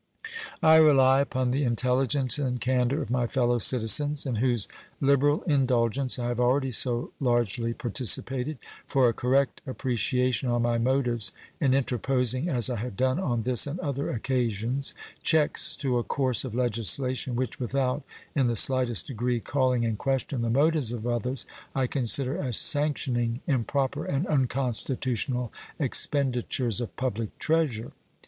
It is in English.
I rely upon the intelligence and candor of my fellow citizens, in whose liberal indulgence I have already so largely participated, for a correct appreciation on my motives in interposing as I have done on this and other occasions checks to a course of legislation which, without in the slightest degree calling in question the motives of others, I consider as sanctioning improper and unconstitutional expenditures of public treasure.